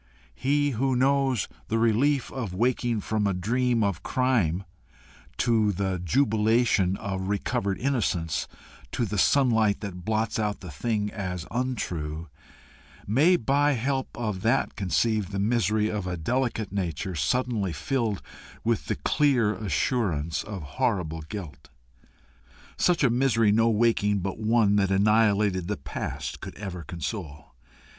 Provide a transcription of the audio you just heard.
He who knows the relief of waking from a dream of crime to the jubilation of recovered innocence, to the sunlight that blots out the thing as untrue, may by help of that conceive the misery of a delicate nature suddenly filled with the clear assurance of horrible guilt. Such a misery no waking but one that annihilated the past could ever console.